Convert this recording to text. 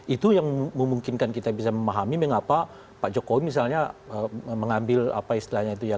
itu yang memungkinkan kita bisa memahami mengapa pak jokowi misalnya mengambil apa istilahnya itu ya